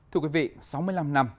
thưa quý vị sáu mươi năm năm